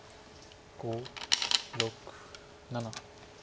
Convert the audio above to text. ５６７。